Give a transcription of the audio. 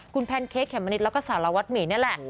คุณแพนเค้กเขมมะนิดแล้วก็สารวัตรหมีนี่แหละ